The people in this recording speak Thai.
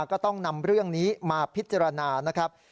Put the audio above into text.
ก็ต้องนำเรื่องนี้มาพิจารณานะครับ